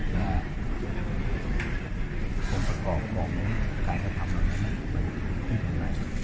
และคนประกอบบอกว่ากายธรรมนั้นมันเป็นคุณของใคร